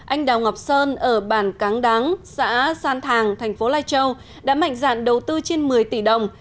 anh đào ngọc sơn ở bàn cáng đắng xã san thàng tp lai châu đã mạnh dạn đầu tư trên một mươi tỷ đồng